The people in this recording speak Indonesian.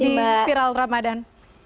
di viral ramadan